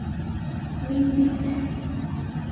Мин бит..